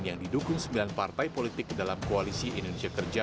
yang didukung sembilan partai politik dalam koalisi indonesia kerja